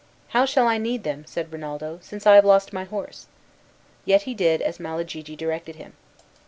"How shall I need them," said Rinaldo, "since I have lost my horse?" Yet he did as Malagigi directed him.